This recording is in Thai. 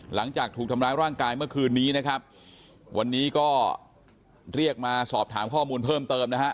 หลังจากถูกทำร้ายร่างกายเมื่อคืนนี้นะครับวันนี้ก็เรียกมาสอบถามข้อมูลเพิ่มเติมนะฮะ